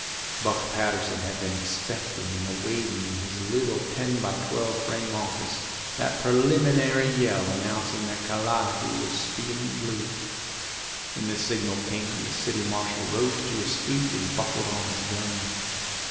Buck Patterson had been expecting and awaiting in his little ten by twelve frame office that preliminary yell announcing that Calliope was feeling blue. When the signal came the city marshal rose to his feet and buckled on his guns.